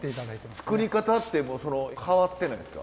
作り方って変わってないんですか？